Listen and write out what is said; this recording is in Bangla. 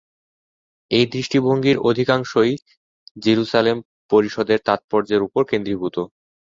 এই দৃষ্টিভঙ্গির অধিকাংশই যিরূশালেম পরিষদের তাৎপর্যের উপর কেন্দ্রীভূত।